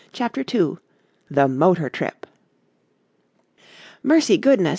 CHAPTER II THE MOTOR TRIP "Mercy, goodness!